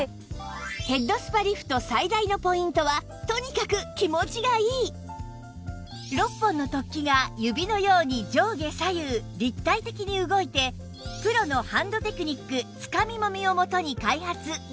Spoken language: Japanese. ヘッドスパリフト６本の突起が指のように上下左右立体的に動いてプロのハンドテクニックつかみもみをもとに開発